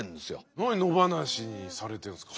何野放しにされてるんですか？